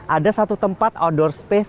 ada satu tempat outdoor space